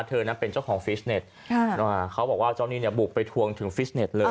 เธอนั้นเป็นเจ้าของฟิสเน็ตเขาบอกว่าเจ้าหนี้เนี่ยบุกไปทวงถึงฟิสเน็ตเลย